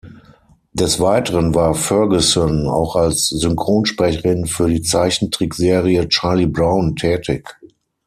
Des Weiteren war Ferguson auch als Synchronsprecherin für die Zeichentrickserie "Charlie Brown" tätig.